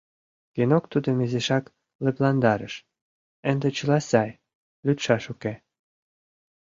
Генок тудым изишак лыпландарыш: ынде чыла сай, лӱдшаш уке.